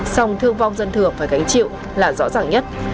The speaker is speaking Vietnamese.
song thương vong dân thường phải gánh chịu là rõ ràng nhất